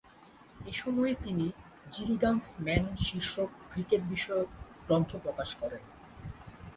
এ সময়ে তিনি Gilligan's man শীর্ষক ক্রিকেট বিষয়ক গ্রন্থ প্রকাশ করেন।